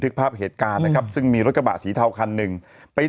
ภาพเหตุการณ์นะครับซึ่งมีรถกระบะสีเทาคันหนึ่งไป